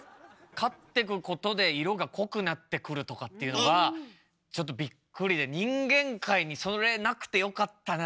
勝ってくことで色が濃くなってくるとかっていうのはちょっとびっくりで人間界にそれなくてよかったな。